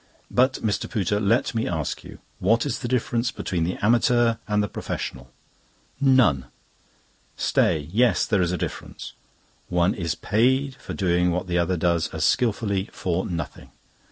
"But, Mr. Pooter, let me ask you, 'What is the difference between the amateur and the professional?' "None!!! "Stay! Yes, there is a difference. One is paid for doing what the other does as skilfully for nothing!